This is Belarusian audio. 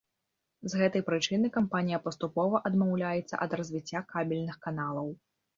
З гэтай прычыны кампанія паступова адмаўляецца ад развіцця кабельных каналаў.